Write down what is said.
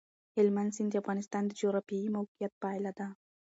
هلمند سیند د افغانستان د جغرافیایي موقیعت پایله ده.